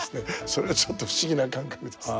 それがちょっと不思議な感覚です。